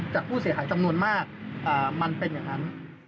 จากผู้เสียหายจำนวนมากมันเป็นอย่างนั้น